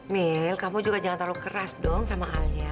mil kamu juga jangan terlalu keras dong sama ayah